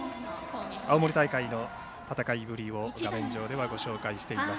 青森大会の戦いぶりを画面上ではご紹介しています。